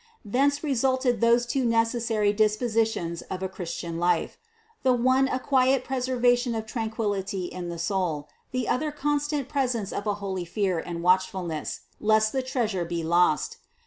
Thence resulted those two neces sary dispositions of a Christian life ; the one a quiet pres ervation of tranquillity in the soul, the other the con stant presence of a holy fear and watchfulness, lest the treasure be lost.